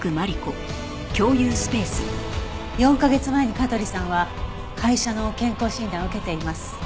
４カ月前に香取さんは会社の健康診断を受けています。